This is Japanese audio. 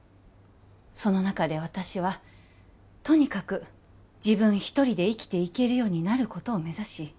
その中で私はとにかく自分一人で生きていけるようになることを目指し